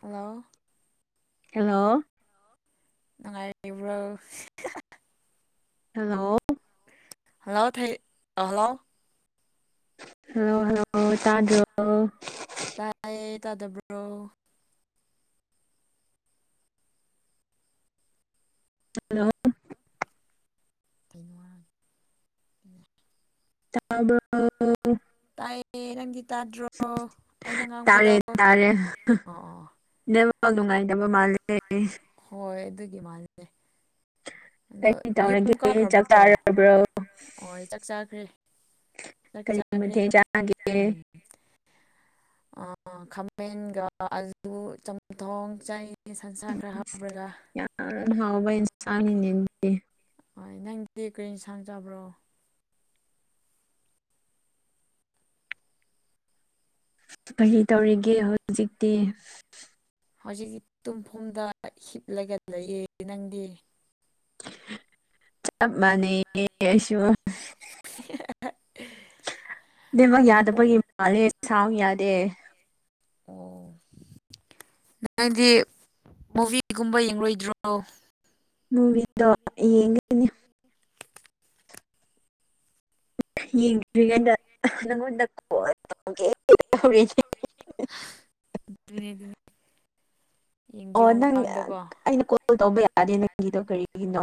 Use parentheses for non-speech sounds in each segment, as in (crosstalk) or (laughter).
hello hello ꯅꯨꯡꯉꯥꯏꯔꯤꯕ꯭ꯔꯣ hello hello ꯊꯩꯏꯠ hello hello hello ꯇꯥꯗ꯭ꯔꯣ ꯇꯥꯏꯌꯦ ꯇꯥꯗꯕ꯭ꯔꯣ ꯍꯜꯂꯣ (unintelligible) ꯇꯥꯕ꯭ꯔꯣ꯭-ꯑꯣ-ꯑꯣ-ꯑꯣ ꯇꯥꯏꯌꯦ ꯉꯪꯒꯤꯠ ꯇꯥꯗ꯭ꯔꯣ ꯑꯩꯅ ꯉꯥꯡꯕꯗꯣ ꯇꯥꯔꯦ ꯇꯥꯔꯦ ꯑꯣ ꯑꯣ ꯅꯦꯠꯋꯥꯛ ꯅꯨꯡꯉꯥꯏꯇꯕ ꯃꯥꯜꯂꯦ ꯍꯣꯏ ꯑꯗꯨꯒꯤ ꯃꯥꯜꯂꯦ ꯑꯗꯣ ꯀꯔꯤ ꯌꯨꯝ ꯇꯧꯔꯒꯦ ꯀꯥꯈ꯭ꯔꯕ꯭ꯔꯣ ꯆꯥꯛ ꯆꯥꯀ ꯆꯥꯔꯕ꯭ꯔꯣ ꯆꯥꯔꯥꯕ꯭ꯔꯣ ꯍ ꯑꯩ ꯆꯥꯛ ꯆꯥꯈ꯭ꯔꯦ ꯆꯥꯛ ꯀꯔꯤ ꯆꯥꯈ꯭ꯔꯦ (inaudible) ꯃꯊꯦꯜ ꯗꯤ ꯆꯥꯒꯦ ꯆꯥꯗ꯭ꯔꯤꯌꯦ ꯑꯥ ꯑ ꯈꯥꯃꯦꯟꯒ ꯑꯂꯨ ꯆꯝꯊꯣꯡ ꯆꯥꯏ ꯌꯥꯝꯅ ꯍꯥꯎꯕ ꯍꯦꯟꯁꯥꯡꯅꯤꯅꯦ ꯗꯨꯗꯤ ꯍꯣꯏ ꯅꯪꯗꯤ ꯀꯔꯤ ꯁꯥꯡ ꯆꯥꯕ꯭ꯔꯣ ꯀꯔꯤ ꯇꯧꯔꯤꯒꯦ ꯍꯧꯖꯤꯛꯇꯤ ꯍꯧꯖꯤꯛꯇꯤ ꯇꯨꯝꯐꯝꯗ ꯍꯤꯞꯂꯒ ꯂꯩꯌꯦ ꯅꯪꯗꯤ ꯆꯞ ꯃꯥꯅꯩ ꯌꯦ ꯑꯩꯁꯨ (inaudible) ꯅꯦꯠꯋꯥꯛ ꯃꯨ ꯌꯥꯗꯕꯒꯤ ꯃꯥꯜꯂꯦ ꯁꯥꯎꯟ ꯌꯥꯗꯦ ꯑꯣ ꯅꯪꯗꯤ ꯃꯨꯚꯤꯒꯨꯝꯕ ꯌꯦꯡꯂꯣꯏꯗ꯭ꯔꯣ ꯃꯨꯚꯤꯗꯣ ꯑ ꯌꯦꯡꯒꯅꯤ ꯌꯦꯡꯗ꯭ꯔꯤꯉꯩꯗ ꯅꯪꯉꯣꯟꯗ ꯀꯣꯜ ꯇꯧꯒꯦ ꯇꯧꯔꯛꯏꯅꯤ (unintelligible) ꯌꯦꯡꯗ꯭ꯔꯤ ꯑꯣ ꯅꯪ ꯃꯃꯥꯡꯗꯀꯣ ꯑ-ꯑꯩꯅ ꯀꯣꯜ ꯇꯧꯕ ꯌꯥꯗꯦ ꯅꯪꯒꯤꯗꯣ ꯀꯔꯤꯒꯤꯅꯣ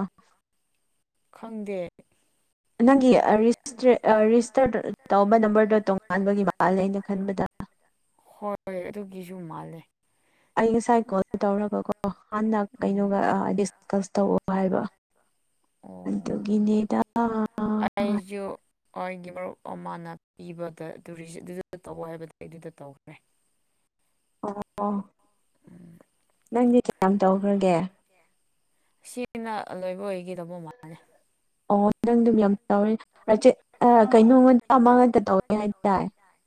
ꯈꯪꯗꯦ ꯅꯪꯒꯤ ꯑ-ꯔꯤꯖꯤꯁꯇ꯭ꯔꯦꯠ ꯑ-ꯔꯤꯖꯤꯁꯇꯔ ꯇꯧꯕ ꯅꯝꯕꯔꯗꯤ ꯇꯣꯉꯥꯟꯕꯒꯤ ꯃꯥꯜꯂꯦ ꯑꯩꯅ ꯈꯟꯕꯗ ꯍꯣꯏ ꯑꯗꯨꯒꯤꯁꯨ ꯃꯥꯜꯂꯦ ꯑꯩ ꯉꯁꯥꯏ ꯀꯣꯜ ꯇꯧꯔꯦꯕꯀꯣ ꯍꯥꯟꯅ ꯎꯝ ꯀꯩꯅꯣꯒ ꯑ-ꯂꯤꯁ ꯀꯁ ꯗꯤꯁꯀꯁ ꯇꯧꯑꯣ ꯇꯧ ꯍꯥꯏꯕ ꯑꯣ ꯑꯗꯨꯒꯤꯅꯤꯗ ꯑ-ꯑ-ꯑ ꯑꯣ ꯑꯩꯒꯤ ꯃꯔꯨꯞ ꯑꯃꯅ ꯄꯤꯕꯗ ꯇꯨꯔꯤꯁ ꯑꯗꯨꯗ ꯇꯧ ꯍꯥꯏꯕꯗ ꯑꯩ ꯑꯗꯨꯗ ꯇꯧꯈ꯭ꯔꯦ (inaudible) ꯑꯣ-ꯑꯣ ꯎꯝ ꯅꯪꯗꯤ ꯀꯌꯥꯝ ꯇꯧꯈ꯭ꯔꯒꯦ ꯁꯤꯅ ꯂꯣꯏꯕ ꯑꯣꯏꯒꯗꯕ ꯃꯥꯜꯂꯦ ꯑꯣ ꯅꯪꯗꯨꯝ ꯌꯥꯝ ꯅꯪꯗꯤ ꯇꯧꯔꯦꯅ ꯇꯧꯋꯦ ꯍꯖꯤꯛ ꯑ ꯀꯦꯅꯣꯝ ꯀꯩꯅꯣ ꯑꯃ ꯈꯛꯇ ꯇꯧꯔꯦ ꯉꯥꯛꯇ ꯇꯧꯋꯦ ꯍꯥꯏꯇꯥꯏ ꯍꯥꯏꯇꯥꯔꯦ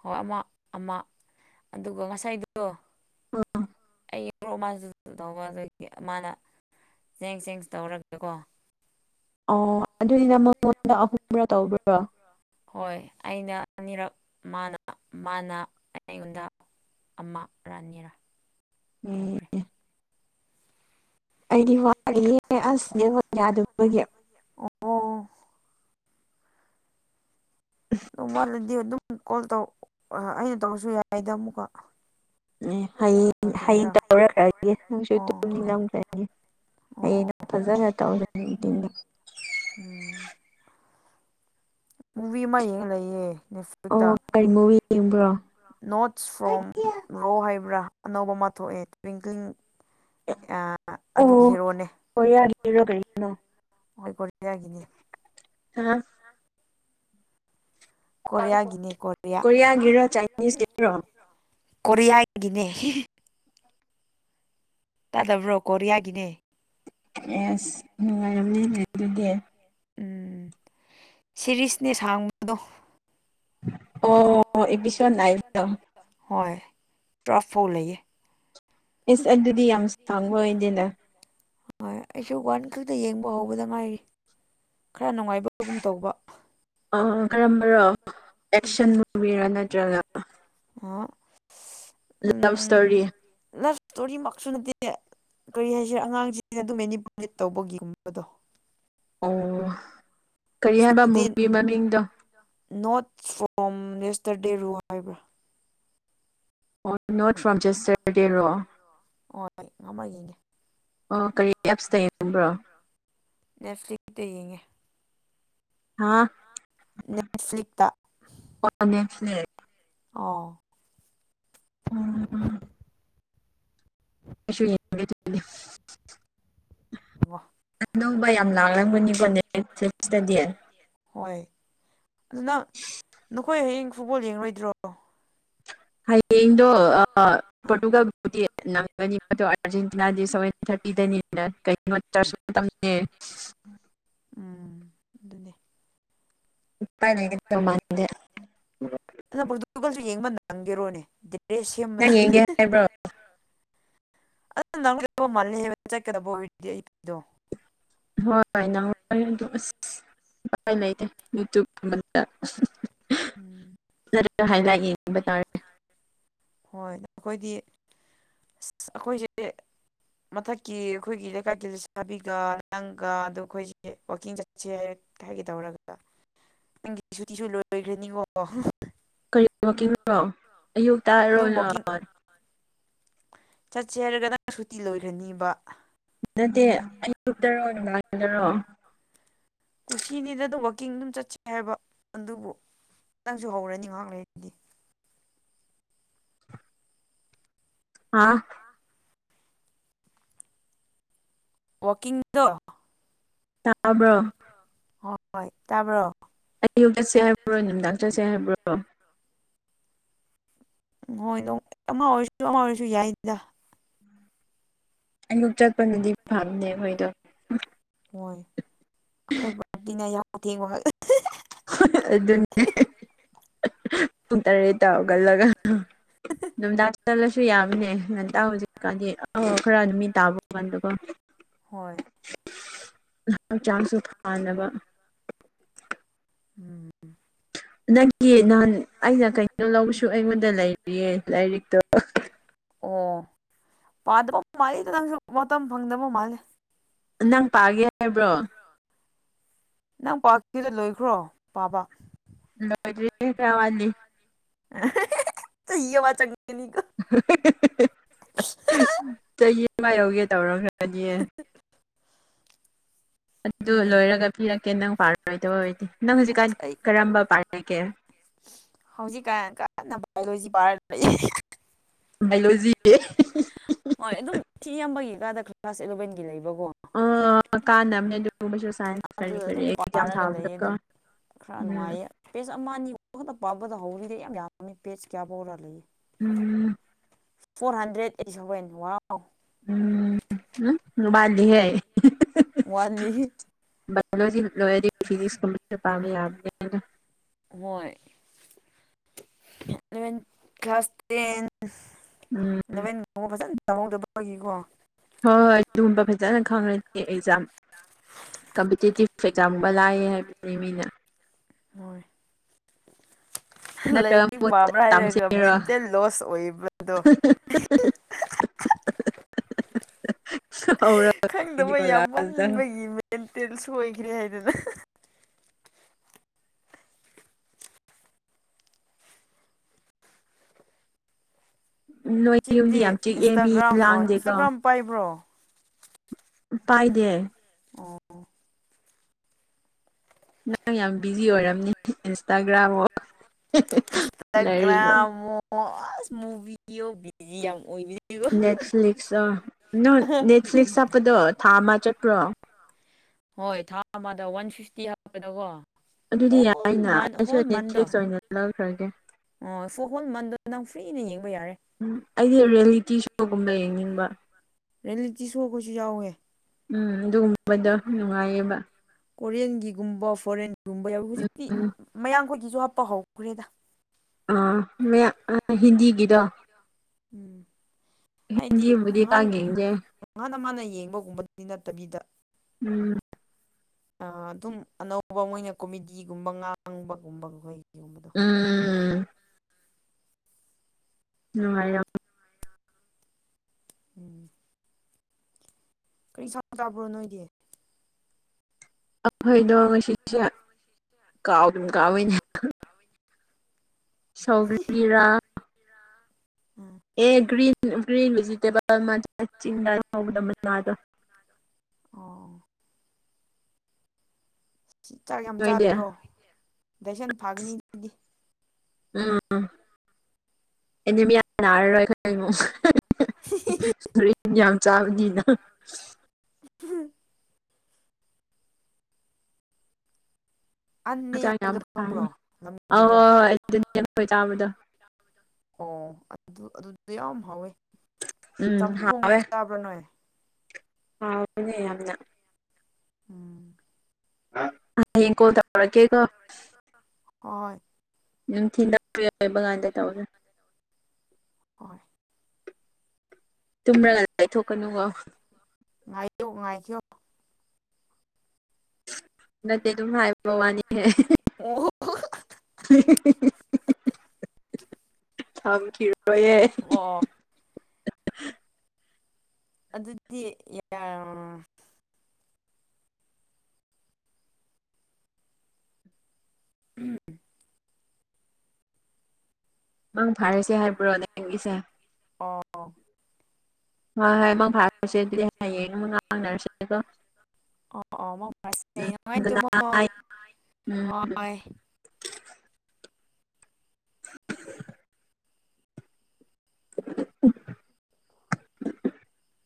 ꯍꯣꯏ ꯑꯃ ꯑꯃ ꯑꯗꯨꯒ ꯉꯁꯥꯏꯗꯣ (inaudible) ꯑꯩꯒꯤ ꯕ꯭ꯔꯣ ꯑꯃꯥꯁꯨ ꯇꯧꯕ ꯑꯗꯨꯒꯤ ꯑꯃꯥꯅ ꯖꯦꯡ ꯁꯦꯡꯁ ꯇꯧꯔꯒꯀꯣ ꯑꯣ ꯑꯗꯨꯗꯤ ꯅꯪ ꯃꯉꯣꯟꯗ ꯑꯍꯨꯝꯔ ꯇꯧꯕ꯭ꯔꯣ ꯍꯣꯏ ꯑꯩꯅ ꯑꯅꯤꯔꯛ ꯃꯥꯅ ꯃꯥꯅ ꯑꯩꯉꯣꯟꯗ ꯑꯃ ꯔꯥ ꯑꯅꯤꯔꯥ ꯀꯥꯎꯈ꯭ꯔꯦ ꯑꯦ ꯑꯩꯗꯤ ꯋꯥꯠꯂꯤꯍꯦ ꯑꯁ ꯅꯦꯠꯋꯥꯛ ꯌꯥꯗꯕꯒꯤ ꯑꯣ ꯑꯗꯨ ꯋꯥꯠꯂꯗꯤ ꯑꯗꯨꯝ ꯀꯣꯜ ꯇꯧ ꯑꯩꯅ ꯇꯧꯔꯁꯨ ꯌꯥꯏꯗ ꯑꯃꯨꯛꯀ ꯅꯦ ꯍꯌꯦꯡ ꯍꯌꯦꯡ ꯌꯥꯈꯤꯒꯦꯔꯥ ꯇꯧꯔꯈ꯭ꯔꯒꯦ ꯅꯪꯁꯨ ꯑꯣ ꯇꯨꯝꯅꯤꯡꯈ꯭ꯔꯅꯤ ꯑꯣ ꯍꯌꯦꯡ ꯑꯣ ꯐꯖꯅ ꯇꯧꯔꯅꯤ ꯗꯤꯟꯗ ꯇꯧꯗꯣꯏꯅꯤ (inaudible) ꯃꯨꯚꯤ ꯑꯃ ꯌꯦꯡ ꯂꯩꯌꯦ ꯅꯦꯠꯐ꯭ꯂꯤꯛꯁꯇ ꯑꯣ ꯀꯔꯤ ꯃꯨꯚꯤ ꯌꯦꯡꯕ꯭ꯔꯣ ꯅꯣꯠꯁ ꯐ꯭ꯔꯣꯝ ꯔꯣ ꯍꯥꯏꯕ꯭ꯔ ꯑꯅꯧꯕ ꯑꯃ ꯊꯣꯛꯑꯦ ꯇ꯭ꯋꯤꯡꯀ꯭ꯂꯤꯡ ꯑ ꯑꯗꯨꯒꯤ ꯑꯣ ꯍꯦꯔꯣꯅꯦ ꯀꯣꯔꯤꯌꯥꯒꯤꯔꯣ ꯀꯔꯤꯅꯣ ꯍꯣꯢ ꯀꯣꯔꯤꯌꯥꯒꯤꯅꯦ ꯑ ꯀꯣꯔꯤꯌꯥꯒꯤꯅꯦ ꯀꯣꯔꯤꯌꯥ ꯀꯣꯔꯤꯌꯥꯒꯤꯔꯣ ꯆꯥꯏꯅꯤꯁꯀꯤꯔꯣ ꯀꯣꯔꯤꯌꯥꯒꯤꯅꯦ (inaudible) ꯇꯥꯗꯕ꯭ꯔꯣ ꯀꯣꯔꯤꯌꯥꯒꯤꯅꯦ ꯑꯦꯁ ꯅꯨꯡꯉꯥꯏꯔꯝꯅꯤꯅꯦ ꯑꯗꯨꯗꯤ ꯎꯝ ꯁꯦꯔꯤꯁꯅꯦ ꯁꯥꯡꯕꯗꯣ ꯑꯣ ꯏꯄꯤꯁꯣꯠ ꯅꯥꯏꯟꯒꯤꯗꯣ ꯍꯣꯏ ꯄꯨꯔꯥꯐꯧ ꯂꯩꯌꯦ ꯑꯤꯁ ꯑꯗꯨꯗꯤ ꯌꯥꯝ ꯁꯥꯡꯕ ꯑꯣꯏꯗꯦꯅ ꯍꯣꯏ ꯑꯩꯁꯨ ꯋꯥꯟ ꯈꯛꯇ ꯌꯦꯡꯕ ꯍꯧꯕꯗ ꯉꯥꯏꯔꯤ ꯈꯔ ꯅꯨꯡꯉꯥꯏꯕꯒꯨꯝ ꯇꯧꯕ ꯑꯣ ꯑꯣ ꯀꯔꯝꯕꯔꯣ ꯑꯦꯛꯁꯟ ꯃꯨꯚꯤꯔꯥ ꯅꯠꯇ꯭ꯔꯒ ꯑꯥ ꯂꯚ ꯏꯁꯇꯣꯔꯤ ꯇꯣꯔꯤ ꯃꯛꯁꯨ ꯅꯠꯇꯦ ꯀꯔꯤ ꯍꯥꯏꯁꯤꯔ ꯑꯉꯥꯡꯁꯤꯡꯅ ꯑꯗꯨꯝ ꯃꯦꯅꯤꯄꯨꯂꯦꯠ ꯇꯧꯕꯒꯤꯒꯨꯝꯕꯗꯣ ꯑꯣ ꯀꯔꯤ ꯍꯥꯏꯕ ꯏꯁꯇꯨꯗꯦꯟ ꯃꯨꯚꯤ ꯃꯃꯤꯡꯗꯣ ꯅꯣꯠ ꯐ꯭ꯔꯣꯝ ꯌꯦꯁꯇ꯭ꯔꯗꯦ ꯔꯣ ꯍꯥꯏꯕ꯭ꯔꯥ ꯅꯣꯠ ꯐ꯭ꯔꯣꯝ ꯌꯦꯁꯇ꯭ꯔꯗꯦ ꯔꯣ ꯍꯣꯏ ꯉꯝꯃ ꯌꯦꯡꯒꯦ ꯑꯣ ꯀꯔꯤ ꯑꯦꯞꯁꯇ ꯌꯦꯡꯕ꯭ꯔꯣ ꯅꯦꯠ ꯐ꯭ꯂꯤꯛ ꯇ ꯌꯦꯡꯉꯦ ꯍꯥꯥ ꯅꯦꯠꯐ꯭ꯂꯤꯛꯇ ꯅꯦ ꯑꯣ ꯎꯝ ꯑꯩꯁꯨ ꯌꯦꯡꯒꯦ ꯑꯗꯨꯗꯤ ꯋꯥ ꯑꯅꯧꯕ ꯌꯥꯝ ꯂꯥꯛꯂꯝꯒꯅꯤꯀꯣ ꯅꯦꯠꯐ꯭ꯂꯤꯁꯇꯗꯤ ꯅꯦꯠꯐ꯭ꯂꯤꯛꯁꯇꯗꯤ (unintelligible) ꯍꯣꯏ ꯑꯗꯨ ꯅꯪ ꯅꯈꯣꯏ ꯍꯌꯦꯡ ꯐꯨꯠꯕꯣꯜ ꯌꯦꯡꯂꯣꯏꯗ꯭ꯔꯣ ꯍꯌꯦꯡꯗꯣ ꯑꯥ ꯄꯣꯔꯇꯨꯒꯜꯕꯨꯇꯤ ꯅꯪꯒꯅꯤ ꯑꯗꯣ (unintelligible) ꯑꯥꯔꯖꯦꯟꯇꯤꯅꯥꯗꯤ ꯁꯚꯦꯟ ꯊꯥꯔꯇꯤꯗꯅꯤꯅ ꯀꯩꯅꯣ ꯆꯔꯆ ꯃꯇꯝꯅꯦ (unintelligible) ꯎꯝ ꯑꯗꯨꯅꯦ ꯎꯄꯥꯏ ꯂꯩꯒꯗꯧ ꯃꯥꯟꯗꯦ (unintelligible) ꯑꯗꯣ ꯄꯣꯔꯇꯨꯒꯜꯁꯨ ꯌꯦꯡꯕ ꯅꯪꯒꯦꯔꯣꯅꯦ ꯗ꯭ꯔꯦꯁ ꯁꯦꯝꯕꯗ ꯅꯪ ꯌꯦꯡꯒꯦ ꯍꯥꯏꯕ꯭ꯔꯣ ꯑꯗꯨ ꯅꯪꯒꯗꯧ ꯃꯥꯜꯂꯤꯍꯦ ꯆꯠꯀꯗꯕ ꯑꯣꯏꯔꯗꯤ ꯑꯌꯨꯛ ꯇꯣ (unintelligible) (unintelligible) ꯑꯁ ꯥꯎꯄꯥꯏ ꯂꯩꯇꯦ ꯎꯄꯥꯏ ꯌꯨꯇꯨꯞ ꯑꯃꯟꯕꯗ ꯍꯨꯝ ꯌꯨꯇ꯭ꯌꯨꯕꯒꯨꯝꯕꯗ ꯍꯨꯝ (unintelligible) ꯎꯝ ꯅꯠꯇ꯭ꯔꯒ (unintelligible) ꯍꯥꯏꯂꯥꯏꯠ ꯌꯦꯡꯕ ꯇꯥꯔꯦ ꯍꯣꯏ ꯑꯩꯈꯣꯏꯗꯤ ꯏꯁ ꯏꯁ ꯑꯩꯈꯣꯏꯁꯤꯗꯤ ꯃꯊꯛꯀꯤ ꯑꯩꯈꯣꯏꯒꯤ ꯂꯩꯀꯥꯏꯒꯤ ꯂꯩꯁꯥꯕꯤꯒ ꯅꯪꯒ ꯑꯗꯨꯒ ꯑꯩꯈꯣꯏꯆꯦ ꯋꯥꯀꯤꯡ ꯆꯠꯁꯦ ꯍꯥꯏꯔꯦ ꯍꯥꯏꯒꯦ ꯇꯧꯔꯒ ꯅꯪꯒꯤꯗꯤ ꯁꯨꯇꯤꯁꯨ ꯂꯣꯏꯒ꯭ꯔꯅꯤꯀꯣ (unintelligible) ꯀꯔꯤ ꯋꯥꯋꯀꯤꯡꯔꯣ ꯑꯌꯨꯛꯇꯔꯣ ꯑꯗꯨꯝ ꯋꯥꯛꯀꯤꯡ (unintelligible) ꯆꯠꯁꯦ ꯍꯥꯏꯔꯒ ꯅꯪ ꯁꯨꯇꯤ ꯂꯣꯏꯈ꯭ꯔꯅꯤꯕ ꯅꯠꯇꯦ ꯑꯌꯨꯛꯇꯔꯣ ꯅꯨꯡꯗꯥꯡꯗꯔꯣ ꯀꯨꯁꯤꯅꯤꯗ ꯑꯗꯨꯝ ꯋꯥꯀꯤꯡ ꯑꯗꯨꯝ ꯆꯠꯁꯦ ꯍꯥꯏꯕ ꯑꯗꯨꯕꯨ ꯅꯪꯁꯨ ꯍꯧꯔꯅꯤ ꯉꯍꯥꯛ ꯂꯩꯔꯗꯤ ꯑꯥ ꯋꯥꯀꯤꯡꯗꯣ ꯇꯥꯕ꯭ꯔꯣ ꯍꯣꯏ ꯍꯣꯏ ꯇꯥꯕ꯭ꯔꯣ ꯑꯩꯌꯨꯛ ꯆꯠꯁꯦ ꯍꯥꯏꯕ꯭ꯔꯣ ꯅꯨꯃꯤꯗꯥꯡ ꯆꯠꯁꯦ ꯍꯥꯏꯕ꯭ꯔꯣ ꯎꯝ ꯍꯣꯏ ꯑꯃ ꯑꯣꯏꯔꯁꯨ ꯑꯃ ꯑꯣꯏꯔꯁꯨ ꯌꯥꯏꯗ ꯑꯌꯨꯛ ꯆꯠꯄꯅꯗꯤ ꯐꯕꯅꯦ ꯑꯩꯈꯣꯏꯗꯣ ꯍꯣꯏ ꯑꯩꯈꯣꯏ ꯄꯥꯔꯇꯤꯅ ꯌꯥꯎꯧ ꯊꯦꯡꯕꯒ ꯍꯦ ꯍꯦ ꯍꯥ ꯍꯥ ꯑꯗꯨꯅꯤ ꯄꯨꯡ ꯇꯔꯦꯠꯇꯥ ꯍꯧꯒꯜꯂꯒ ꯅꯨꯡꯗꯥꯡ ꯆꯠꯂꯁꯨ ꯌꯥꯕꯅꯦ ꯉꯟꯇ ꯍꯧꯖꯤꯛꯀꯥꯟꯗꯤ ꯑꯥ ꯈꯔ ꯅꯨꯃꯤꯠ ꯇꯥꯕ ꯀꯥꯟꯗꯀꯣ ꯍꯣꯏ ꯍꯛꯆꯥꯡꯁꯨ ꯐꯅꯕ ꯎꯝ ꯅꯪꯒꯤ ꯅꯍꯥꯟ ꯑꯩꯅ ꯀꯩꯅꯣ ꯂꯧꯕꯁꯨ ꯑꯩꯉꯣꯟꯗ ꯂꯩꯔꯤꯌꯦ ꯂꯥꯏꯔꯤꯛꯇꯣ ꯄꯥꯗꯕ ꯃꯥꯜꯂꯤꯗ ꯅꯪꯁꯨ ꯃꯇꯝ ꯐꯪꯗꯕ ꯃꯥꯜꯂꯤ ꯅꯪ ꯄꯥꯒꯦ ꯍꯥꯏꯕ꯭ꯔꯣ ꯅꯪ ꯄꯥꯀꯤꯗꯣ ꯂꯣꯏꯈ꯭ꯔꯣ ꯄꯥꯕ ꯂꯥꯏꯕꯦꯔꯤ ꯈꯔꯋꯥꯂꯤ ꯍꯥ ꯍꯥ ꯍꯥ ꯍꯥ ꯌꯋꯥ ꯆꯪꯒꯅꯤ ꯍꯥ ꯍꯥ ꯍꯥ ꯍꯥ ꯆꯍꯤ ꯑꯃ ꯌꯧꯒꯦ ꯇꯧꯔꯒ ꯑꯗꯤꯌꯦ ꯑꯗꯨ ꯑꯗꯨꯅꯦ ꯂꯣꯏꯔꯒ ꯄꯤꯔꯛꯀꯦ ꯅꯪ ꯄꯥꯔꯣꯏꯗꯣꯏ ꯑꯣꯏꯔꯗꯤ ꯅꯪ ꯍꯧꯖꯤꯛꯀꯥꯟ ꯀꯔꯝꯕ ꯄꯥꯔꯤꯒꯦ ꯍꯧꯖꯤꯛꯀꯥꯟ ꯀꯥꯟꯅ ꯕꯥꯌꯣꯂꯣꯖꯤ ꯄꯔ ꯂꯩꯌꯦ ꯍꯥ ꯍꯥ ꯍꯥ ꯕꯥꯏꯂꯣꯖꯤ ꯍꯣꯏ ꯑꯗꯨꯝ ꯊꯤ ꯌꯥꯝꯕꯒꯤꯀꯥꯗ ꯀ꯭ꯂꯥꯁ ꯑꯦꯂꯚꯦꯟꯒꯤ ꯂꯩꯕ ꯑꯥ ꯀꯥꯟꯅꯃꯦ ꯑꯗꯨ ꯑꯗꯨꯗ ꯑꯗꯨꯝ ꯄꯥꯔꯒ ꯂꯩꯌꯦ ꯊꯥꯕꯗꯀꯣ ꯑꯗꯨꯝ ꯈꯔ ꯎꯝ ꯅꯨꯡꯉꯥꯏꯌꯦ ꯄꯦꯁ ꯑꯃ ꯑꯅꯤ ꯈꯛꯇ ꯄꯥꯕꯗ ꯍꯧꯔꯤꯗꯤ ꯑꯩ ꯌꯥꯝ ꯌꯥꯝꯃꯦ ꯄꯦꯁ ꯀꯌꯥꯕꯧꯔ ꯂꯩꯌꯦ ꯎꯝ ꯐꯣꯔ ꯍꯟꯗ꯭ꯔꯦꯠ ꯑꯦꯠ ꯁꯚꯦꯟ ꯋꯥꯎ ꯎꯝ ꯍꯝ ꯂꯨꯃꯥꯜꯂꯤꯍꯦ ꯋꯥꯠꯂꯤ ꯕꯥꯏꯂꯣꯖꯤ ꯂꯣꯏꯔꯗꯤ ꯐꯤꯖꯤꯛꯁ ꯀꯝꯄ꯭ꯨꯇꯔ ꯄꯥꯕ ꯌꯥꯕꯅꯤ ꯍꯣꯏ ꯑꯦꯂꯕꯦꯟ ꯀ꯭ꯂꯥꯁ ꯇꯦꯟ ꯎꯝ ꯑꯂꯚꯦꯟꯕꯥꯎ ꯐꯖꯅ ꯆꯪꯍꯧꯗꯕꯒꯤꯀꯣ ꯍꯣꯏ ꯍꯣꯏ ꯑꯗꯨꯒꯨꯝꯕ ꯐꯖꯅ ꯈꯪꯅꯗꯤ ꯑꯦꯛꯖꯥꯝ ꯀꯝꯄꯤꯇꯤꯇꯤꯞ ꯑꯦꯛꯖꯥꯝꯒ ꯂꯥꯛꯑꯦ ꯍꯥꯏꯕꯅꯤ ꯃꯤꯅ ꯍꯣꯏ ꯅꯠꯇ꯭ꯔꯒ ꯂꯥꯏꯔꯤꯛ ꯃꯨꯠ ꯄꯥꯕ꯭ꯔꯥ ꯍꯥꯏꯔꯒ ꯇꯝꯁꯤꯔꯣ ꯃꯦꯟꯇꯦꯜ ꯂꯣꯁ ꯑꯣꯏꯕꯗꯣ ꯍꯥ ꯍꯥ ꯍꯥ ꯍꯥ ꯑꯍꯥ ꯑꯍꯥ ꯈꯪꯗꯕ ꯍꯧꯔꯒꯅꯤꯀꯣ ꯌꯥꯝ ꯂꯥꯁꯇ ꯃꯟꯕꯒꯤ ꯃꯦꯟꯇꯦꯜ ꯁꯣꯏꯈ꯭ꯔꯦ ꯑꯗꯨꯅ ꯍꯥ ꯅꯣꯏ ꯌꯨꯝꯗꯤ ꯏꯆꯦꯗꯤ ꯌꯥꯝ ꯆꯤꯛꯑꯦ ꯃꯤ ꯏꯟꯁꯇꯥꯒ꯭ꯔꯥꯝ ꯂꯥꯡꯗꯦꯀꯣ ꯏꯟꯁꯇꯥꯒ꯭ꯔꯥꯝ ꯄꯥꯏꯕ꯭ꯔꯣ ꯄꯏꯗꯦ ꯑꯣ ꯅꯪ ꯌꯥꯝ ꯕꯤꯖꯤ ꯑꯣꯏꯔꯝꯅꯤ ꯏꯟꯁꯇꯥꯒ꯭ꯔꯝ ꯑꯣ ꯂꯥꯏꯔꯤꯛꯔꯣ ꯏꯟꯁꯇꯒ꯭ꯔꯝꯑꯣ ꯑꯁ ꯃꯣꯚꯤꯑꯣ ꯕꯤꯗꯤꯌꯝ ꯅꯦꯠꯐ꯭ꯂꯤꯛꯁ ꯑꯣ ꯅꯣꯏ ꯅꯦꯠꯐ꯭ꯂꯤꯛꯁ ꯍꯥꯞꯄꯗꯣ ꯊꯥ ꯑꯃ ꯆꯠꯄ꯭ꯔꯣ ꯍꯣꯏ ꯊꯥ ꯑꯃꯗ ꯋꯥꯟ ꯐꯤꯐꯇꯤ ꯍꯥꯞꯄꯗꯀꯣ ꯑꯗꯨꯗꯤ ꯍꯣꯜ ꯌꯥꯏꯅ ꯃꯟ ꯑꯩꯁꯨ ꯍꯣꯜ ꯃꯟꯗꯣ ꯅꯦꯠꯐ꯭ꯛꯁ ꯑꯣꯏꯅ ꯂꯧꯈ꯭ꯔꯒꯦ ꯑꯣ ꯐꯣꯔ ꯍꯣꯜ ꯃꯟꯗꯟ ꯅꯪ ꯐ꯭ꯔꯤꯅ ꯌꯦꯡꯕ ꯌꯥꯔꯦ ꯎꯝ ꯑꯩꯗꯤ ꯔꯤꯌꯦꯂꯤꯇꯤ ꯁꯣꯒꯨꯝꯕ ꯌꯦꯡꯅꯤꯡꯕ ꯔꯤꯌꯦꯂꯤꯇꯤ ꯁꯣꯈꯩꯁꯨ ꯌꯥꯎꯋꯦ ꯎꯝ ꯑꯗꯨꯒꯨꯝꯕꯗꯣ ꯅꯨꯡꯉꯥꯏꯌꯦꯕ ꯀꯣꯔꯤꯌꯟꯒꯤꯒꯨꯝꯕ ꯐꯣꯔꯦꯟꯒꯨꯝꯕ ꯌꯥꯎꯋ ꯎꯝ ꯍꯧꯖꯤꯛꯇꯤ ꯎꯝ ꯃꯌꯥꯝꯈꯣꯏꯒꯤꯁꯨ ꯍꯥꯞꯄ ꯍꯧꯈ꯭ꯔꯦꯗ ꯑꯥ ꯃꯌ ꯍꯤꯟꯗꯤꯒꯤꯗꯣ ꯎꯝ ꯍꯥꯏꯗꯤ ꯍꯤꯟꯗꯤꯕꯨꯗꯤ ꯉꯍꯥꯟ ꯄꯥꯛ ꯌꯦꯡꯗꯦ ꯉꯍꯥꯟ ꯃꯅꯥ ꯌꯦꯡꯕꯒꯨꯝꯕꯗꯤ ꯅꯠꯇꯕꯤꯗ ꯎꯝ ꯑꯗꯨꯝ ꯑꯅꯧꯕ ꯃꯣꯏꯅ ꯀꯣꯃꯦꯗꯤꯒꯨꯝꯕ ꯉꯥꯡꯕꯒꯨꯝꯕ ꯈꯣꯏ ꯎꯝꯝꯝ ꯅꯨꯡꯉꯥꯏ ꯌꯥꯝ ꯎꯝ ꯀꯔꯤ ꯢꯟꯁꯥꯡ ꯆꯥꯕ꯭ꯔꯣ ꯅꯣꯏꯗꯤ ꯑꯩꯈꯣꯏꯗꯣ ꯉꯁꯤꯁꯦ ꯀꯥꯎꯗꯨꯝ ꯀꯥꯎꯏꯅꯦ ꯁꯧꯒ꯭ꯔꯤꯔꯥ um a green green vegetable ꯃꯆꯥ ꯆꯤꯡꯗ ꯊꯒꯗ ꯃꯅꯥꯗꯣ ꯑꯣ ꯆꯥꯛ ꯌꯥꯝ ꯅꯣꯏꯗꯤ ꯆꯥꯗ꯭ꯔꯣ ꯗꯥꯏꯁꯟ ꯐꯥꯒꯅꯤ ꯑꯗꯨꯗꯤ ꯎꯝ ꯑꯦꯅꯤꯃꯤꯌ ꯅꯥꯔꯔꯣꯏ ꯑꯩꯈꯣꯏꯉꯣ ꯁꯨꯔꯦꯟ ꯌꯥꯝ ꯆꯥꯕꯅꯤꯅ ꯍꯝ ꯑꯟꯅꯤ ꯍꯛꯆꯥꯡ ꯌꯥꯝ ꯍꯥꯏꯕꯗꯣ ꯐꯥꯡꯅꯤ ꯈꯪꯕ꯭ꯔꯣ ꯑ ꯂꯝꯒꯤꯗꯣ ꯍꯣꯏ ꯑꯗꯨꯗꯤꯈꯣꯏ ꯆꯥꯕꯗꯣ ꯑꯣ ꯑꯗꯨ ꯑꯗꯨꯗꯨ ꯌꯥꯝ ꯍꯥꯎꯋꯦ ꯎꯝ ꯆꯝꯊꯣꯡ ꯍꯥꯎꯋꯦ ꯑꯣꯏꯅ ꯆꯥꯕ꯭ꯔꯥ ꯅꯣꯏ ꯍꯥꯎꯕꯅꯦ ꯌꯥꯝꯅ ꯎꯝ ꯍꯥꯌꯦꯡ ꯀꯣꯜ ꯇꯧꯔꯛꯀꯦꯀꯣ ꯍꯣꯏ ꯅꯨꯡꯊꯤꯟꯗ ꯐ꯭ꯔꯤ ꯑꯣꯏꯕ ꯀꯥꯟꯗ ꯇꯧꯁꯦ ꯍꯣꯏ ꯇꯨꯝꯔꯒ ꯂꯩꯊꯣꯛꯀꯅꯨꯀꯣ ꯉꯥꯏꯌꯣ ꯉꯥꯏꯈꯤꯌꯣ ꯅꯠꯇꯦ ꯑꯗꯨꯝ ꯍꯥꯏꯕ ꯋꯥꯅꯤ ꯑꯦ ꯑꯣ ꯊꯕꯤꯈꯤꯔꯣꯏꯌꯦ ꯑꯣ ꯑꯗꯨꯗꯤ ꯌꯥꯔꯝ ꯎꯝ ꯃꯪ ꯐꯥꯔꯁꯦ ꯍꯥꯏꯕ꯭ꯔꯣ ꯅꯡꯒꯤꯁꯦ ꯑꯣ ꯍꯣꯏ ꯍꯣꯏ ꯃꯪ ꯐꯥꯔꯁꯦ ꯑꯗꯨꯗꯤ ꯍꯌꯦꯡ ꯑꯃꯨꯛ ꯉꯥꯡꯅꯔꯁꯦ ꯀꯣ ꯑꯣ ꯑꯣ ꯃꯪ ꯐꯔꯁꯤ ꯅꯨꯡꯉꯥꯏꯅ ꯒꯨꯗ ꯇꯨꯝꯃꯣ ꯅꯥꯏꯠ ꯎꯝ (inaudible)